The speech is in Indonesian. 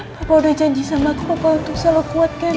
bapak udah janji sama aku untuk selalu kuatkan